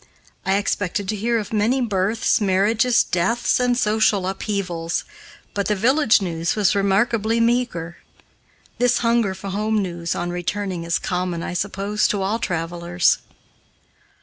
I expected to hear of many births, marriages, deaths, and social upheavals, but the village news was remarkably meager. This hunger for home news on returning is common, I suppose, to all travelers.